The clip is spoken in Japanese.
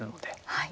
はい。